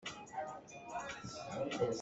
Lam kauhnak ah phaisa an kan hal.